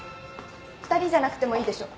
２人じゃなくてもいいでしょ？